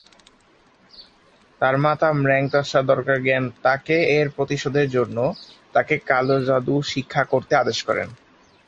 তার মাতা ম্যাং-র্ত্সা-দ্কার-র্গ্যান তাকে এর প্রতিশোধের জন্য তাকে কালো জাদু শিক্ষা করতে আদেশ করেন।